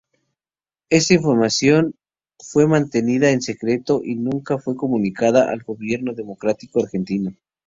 Esta información fue mantenida en secreto y nunca fue comunicada al gobierno democrático argentino.